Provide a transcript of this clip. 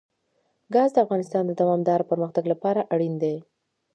ګاز د افغانستان د دوامداره پرمختګ لپاره اړین دي.